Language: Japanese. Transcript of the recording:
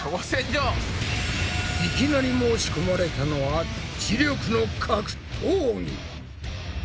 いきなり申し込まれたのは知力の格闘技！